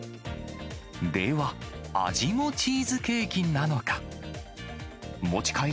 では、味もチーズケーキなのか。